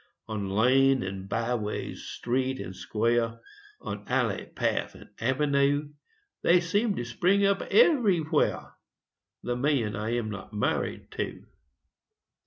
On lane and byways, street and square, On alley, path and avenue, They seem to spring up everywhere The men I am not married to.